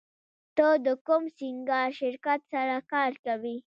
ته د کوم سینګار شرکت سره کار کوې